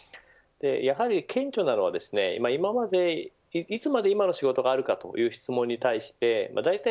やはり顕著なのはいつまで今の仕事があるかという質問に対してだいたい